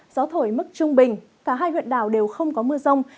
gió thổi mức trung bình cả hai huyện đảo đều không có mưa rông